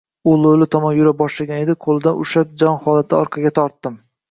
U lo‘li tomon yura boshlagan edi, qo‘lidan ushlab jonholatda orqaga tortdim.